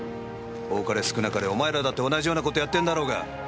多かれ少なかれお前らだって同じような事やってんだろうが！